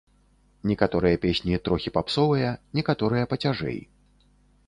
Некаторыя песні трохі папсовыя, некаторыя пацяжэй.